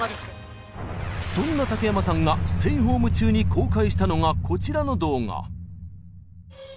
そんな竹山さんがステイホーム中に公開したのがこちらの動画。